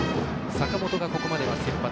坂本がここまでが先発。